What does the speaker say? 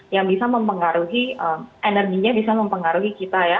yang bisa mempengaruhi energinya bisa mempengaruhi kita ya